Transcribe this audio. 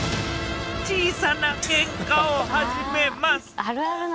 小さなケンカを始めます。